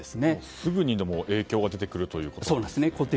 すぐにでも影響が出てくるということですか。